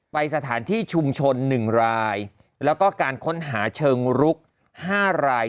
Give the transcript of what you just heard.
ไปสถานที่ชุมชน๑รายแล้วก็การค้นหาเชิงรุก๕ราย